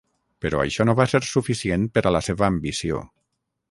Però això no va ser suficient per a la seva ambició.